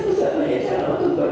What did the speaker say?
satu satunya cara untuk berkomunikasi